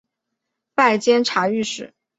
拜监察御史。